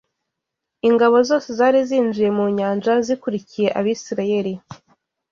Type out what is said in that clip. Ingabo zose zari zinjiye mu nyanja zikurikiye Abisirayeli